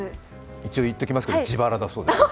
一応言っておきますけど、自腹だそうですよ。